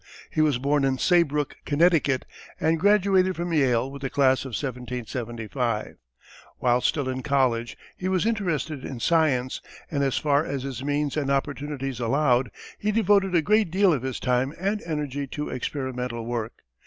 He was born in Saybrook, Connecticut, and graduated from Yale with the class of 1775. While still in college he was interested in science and as far as his means and opportunities allowed, he devoted a great deal of his time and energy to experimental work.